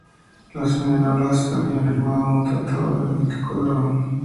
Los seminolas habían firmado un tratado en el que acordaron trasladarse hacia el oeste.